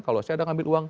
kalau saya ada ngambil uang